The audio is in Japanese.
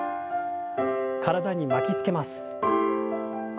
体に巻きつけます。